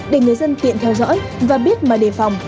để người dân tiện theo dõi và biết mà đề phòng